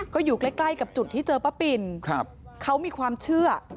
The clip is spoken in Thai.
ก็อยู่ใกล้ใกล้กับจุดที่เจอป้าปิ่นเขามีความเชื่อ